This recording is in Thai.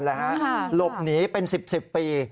หลบหนีเป็น๑๐๑๐ปี